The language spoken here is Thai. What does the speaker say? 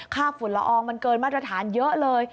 ฝุ่นละอองมันเกินมาตรฐานเยอะเลย